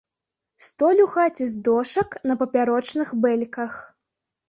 Столь у хаце з дошак на папярочных бэльках.